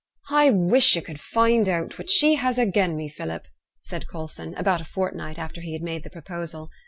'I wish yo' could find out what she has again' me, Philip,' said Coulson, about a fortnight after he had made the proposal.